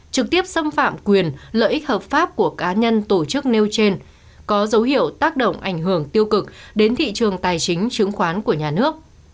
trực tiếp xâm phạm quyền lợi ích hợp pháp của cá nhân tổ chức nêu trên có dấu hiệu tác động ảnh hưởng tiêu cực đến thị trường tài chính chứng khoán của nhà nước